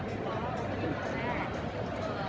พี่แม่ที่เว้นได้รับความรู้สึกมากว่า